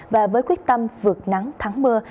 và với quyết tâm vượt nắng thắng mưa